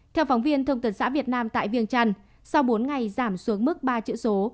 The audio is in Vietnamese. theo phóng viên thông tấn xã việt nam tại viêng trăn sau bốn ngày giảm xuống mức ba chữ số